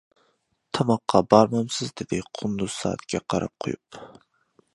-تاماققا بارمامسىز؟ -دېدى قۇندۇز سائەتكە قاراپ قويۇپ.